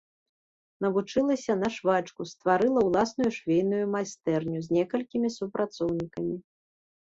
Навучылася на швачку, стварыла ўласную швейную майстэрню з некалькімі супрацоўнікамі.